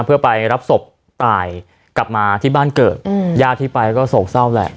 เพื่อไปรับศพตายกลับมาที่บ้านเกิดญาติที่ไปก็โศกเศร้าแหละ